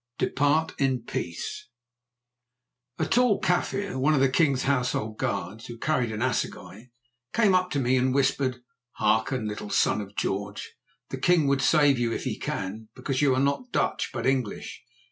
DEPART IN PEACE A tall Kaffir, one of the king's household guards, who carried an assegai, came up to me and whispered: "Hearken, little Son of George. The king would save you, if he can, because you are not Dutch, but English.